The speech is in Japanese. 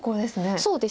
そうですね。